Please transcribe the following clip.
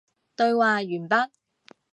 對話完畢